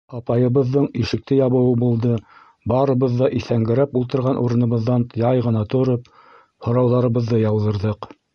Апайыбыҙҙың ишекте ябыуы булды, барыбыҙ ҙа иҫәнгерәп ултырған урыныбыҙҙан яй ғына тороп, һорауҙарыбыҙҙы яуҙырҙыҡ.